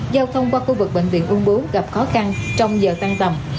giao thông qua khu vực bệnh viện ung bú gặp khó khăn trong giờ tăng tầm